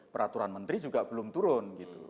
peraturan menteri juga belum turun